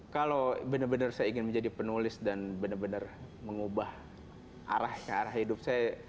kalau benar benar saya ingin menjadi penulis dan benar benar mengubah arah hidup saya